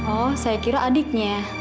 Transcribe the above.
oh saya kira adiknya